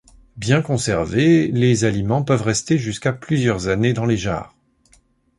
Bien conservés, les aliments peuvent rester jusqu'à plusieurs années dans les jarres.